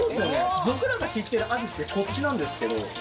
僕らが知ってるアジって、こっちなんですけど。